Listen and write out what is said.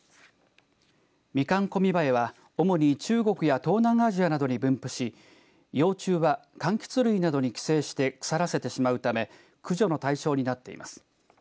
ミカンコミバエは主に中国や東南アジアなどに分布し幼虫はかんきつ類などに寄生して腐らせてしまうため駆除の対象になっています。